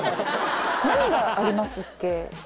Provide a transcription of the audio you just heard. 何がありますっけ